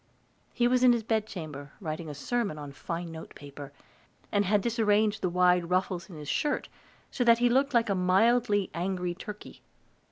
He was in his bedchamber, writing a sermon on fine note paper, and had disarranged the wide ruffles of his shirt so that he looked like a mildly angry turkey.